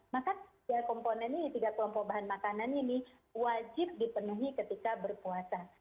maka komponennya tiga komponen bahan makanan ini wajib dipenuhi ketika berpuasa